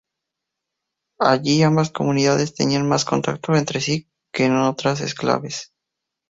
Allí ambas comunidades tenían más contacto entre sí que en otros enclaves.